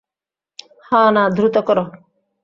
হা-না, দ্রুত করো।